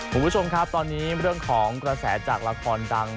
คุณผู้ชมครับตอนนี้เรื่องของกระแสจากละครดัง